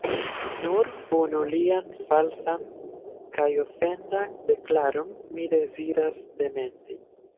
Nur unu lian falsan kaj ofendan deklaron mi deziras dementi.